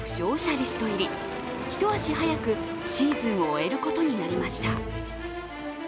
リスト入り、一足早くシーズンを終えることになりました。